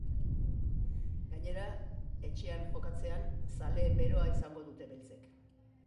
Gainera, etxean jokatzean zaleen beroa izango dute beltzek.